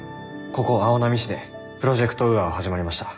ここ青波市でプロジェクト・ウーアは始まりました。